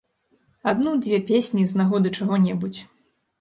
Адну-дзве песні з нагоды чаго-небудзь.